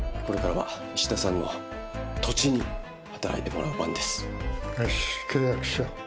これからは石田さんの土地に働いてもらう番です。